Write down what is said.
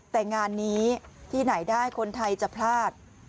แต่งานนี้ที่ไหนได้คนไทยจะพลาด